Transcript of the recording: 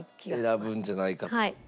選ぶんじゃないかと。